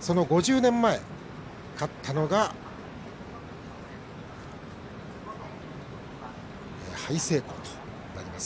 その５０年前勝ったのがハイセイコーとなります。